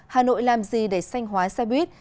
hà nội làm gì để xanh hóa xe buýt